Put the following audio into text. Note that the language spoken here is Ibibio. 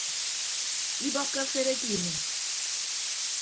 Ibọkkọ afere ke ini.